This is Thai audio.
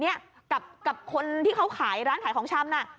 กับคนที่เขาขายร้านขายของชำน่ะ